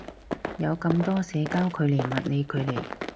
有咁多社交距離物理距離